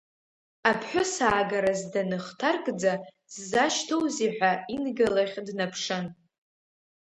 Аԥҳәысаагараз даныхҭаркӡа, сзашьҭоузеи ҳәа Инга лахь днаԥшын…